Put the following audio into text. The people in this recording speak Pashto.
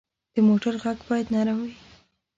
د موټر غږ باید نرم وي.